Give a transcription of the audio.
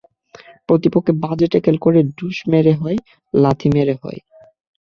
প্রতিপক্ষকে বাজে ট্যাকল করে হয়, ঢুস মেরে হয়, লাথি মেরে হয়।